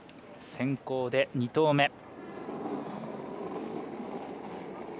先攻で２投目。